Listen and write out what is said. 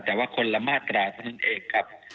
แต่คนละมาตราทั้งนั้นเองครับ